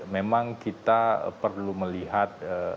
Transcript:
memang kita perlu melihat